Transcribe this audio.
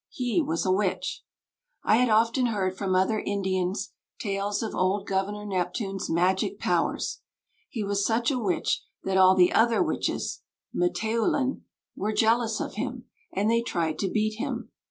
He was a witch." I had often heard from other Indians tales of old Governor Neptune's magic powers. "He was such a witch that all the other witches (m'tēūlin) were jealous of him, and they tried to beat him.